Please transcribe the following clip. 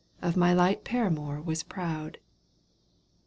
Of my light paramour was f)roud.